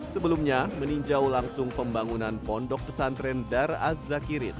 sebelumnya meninjau langsung pembangunan pondok pesantren dar az zakirin